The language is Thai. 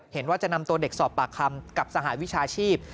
เห็นว่าจะนำตัวเด็กสอบปากคำกับสหวิชาชีพ